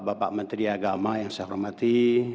bapak menteri agama yang saya hormati